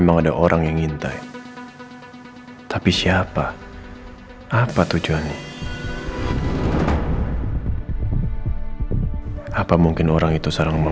boleh nggak ini muka bumi